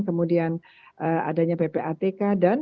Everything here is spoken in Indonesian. kemudian adanya ppatk